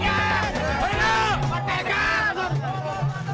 partai dekat partai dekat